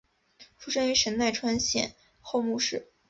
出身于神奈川县厚木市。